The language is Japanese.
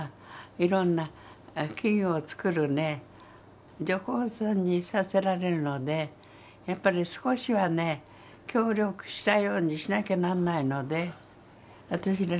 いろんな機具をつくるね女工さんにさせられるのでやっぱり少しはね協力したようにしなきゃなんないので私ね